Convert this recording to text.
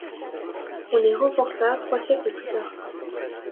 On les renforça trois siècles plus tard.